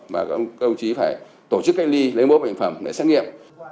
mà các ông chí phải tổ chức cách ly lấy mẫu bệnh phẩm để xét nghiệm